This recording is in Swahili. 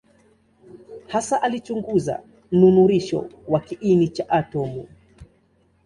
Hasa alichunguza mnururisho wa kiini cha atomu.